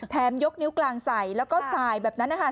ยกนิ้วกลางใส่แล้วก็สายแบบนั้นนะคะ